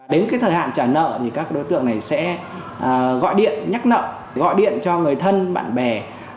đến cái thời hạn trả nợ thì các đối tượng này sẽ gọi điện nhắc nợ gọi điện cho người thân bạn bè